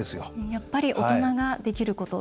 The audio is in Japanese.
やっぱり大人ができること。